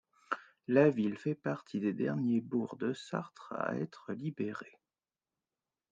La ville fait partie des derniers bourgs de Sarthe à être libérés.